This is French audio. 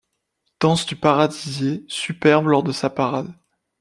Danse du paradisier superbe lors de la parade.